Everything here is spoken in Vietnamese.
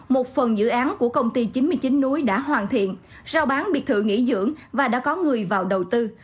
một phần dự án của công ty chín mươi chín núi đã hoàn thiện giao bán biệt thự nghỉ dưỡng và đã có người vào đầu tư